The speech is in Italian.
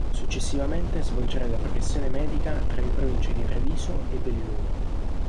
Successivamente svolgerà la professione medica tra le province di Treviso e Belluno.